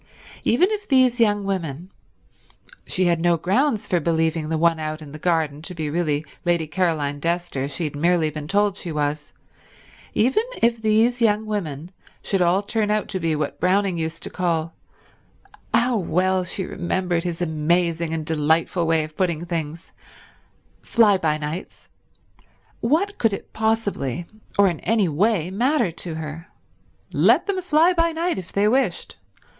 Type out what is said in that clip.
Even if these young women—she had no grounds for believing the one out in the garden to be really Lady Caroline Dester, she had merely been told she was—even if these young women should all turn out to be what Browning used to call—how well she remembered his amusing and delightful way of putting things—Fly by Nights, what could it possibly, or in any way matter to her? Let them fly by night if they wished.